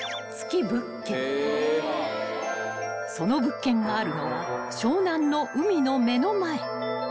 ［その物件があるのは湘南の海の目の前］